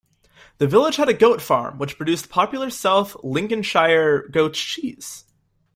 The village had a goat farm which produced popular south Lincolnshire goats' cheese.